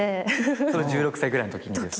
それ１６歳ぐらいのときにですか？